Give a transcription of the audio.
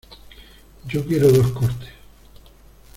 Yo quiero dos cortes.